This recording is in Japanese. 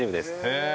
へえ！